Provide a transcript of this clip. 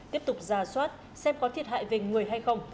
tiếp tục giả soát xem có thiệt hại về người hay không